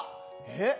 えっ？